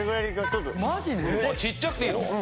ちっちゃくていいの？